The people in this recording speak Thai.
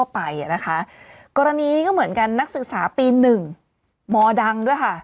ปีหนึ่งมดังด้วยค่ะ